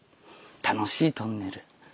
楽しいトンネル。